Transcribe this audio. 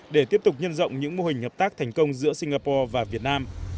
để tiếp tục nhân rộng những mô hình hợp tác thành công giữa singapore và việt nam